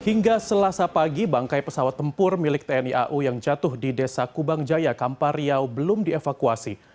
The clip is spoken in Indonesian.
hingga selasa pagi bangkai pesawat tempur milik tni au yang jatuh di desa kubang jaya kampar riau belum dievakuasi